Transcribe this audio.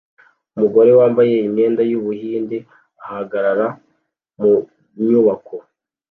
Umugore wambaye imyenda yubuhinde ahagarara mu nyubako